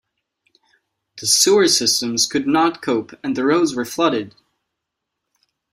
The sewer systems could not cope and the roads were flooded.